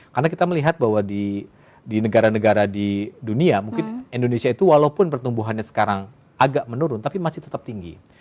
karena kita melihat bahwa di negara negara di dunia mungkin indonesia itu walaupun pertumbuhannya sekarang agak menurun tapi masih tetap tinggi